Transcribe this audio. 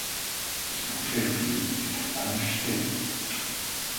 Son chef-lieu est Amstetten.